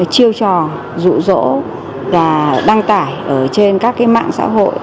chiêu trò rụ rỗ và đăng tải ở trên các cái mạng xã hội